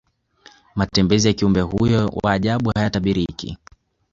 matembezi ya kiumbe huyo wa ajabu hayatabiriki